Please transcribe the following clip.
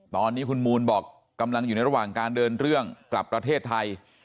ตอนนี้คุณมูลบอกกำลังอยู่ในระหว่างการเดินเรื่องกลับประเทศไทย